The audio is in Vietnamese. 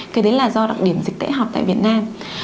cái đấy là do đặc điểm dịch tễ họp tại việt nam